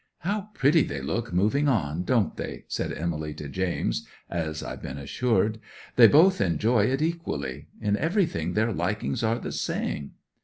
'"How pretty they look moving on, don't they?" said Emily to James (as I've been assured). "They both enjoy it equally. In everything their likings are the same."